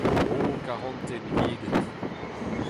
O Karantez milliget !